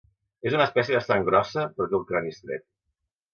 És una espècie bastant grossa, però té el crani estret.